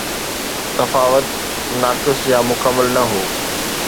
تفاوت ناقص يا مڪمل نه هو